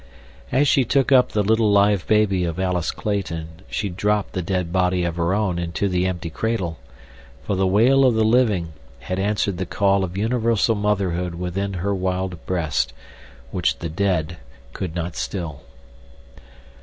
As she took up the little live baby of Alice Clayton she dropped the dead body of her own into the empty cradle; for the wail of the living had answered the call of universal motherhood within her wild breast which the dead could not still.